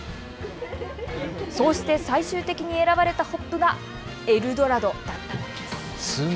そうして最終的に選ばれたホップがエルドラドだったんです。